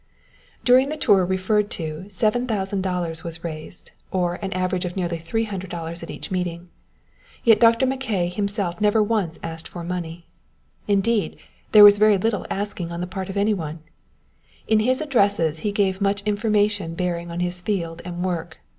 During the tour referred to $7,000 was raised, or an average of nearly $300 at each meeting, yet Dr. Mackay himself never once asked for money; indeed, there was very little asking on the part of anyone. In his addresses he gave much information bearing on his field and work.